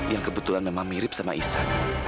yang kebetulan memang mirip sama ihsan